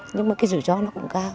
nhưng mà cái rủi ro nó cũng cao